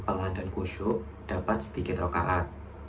pangan dan kusyuk dapat sedikit rokaat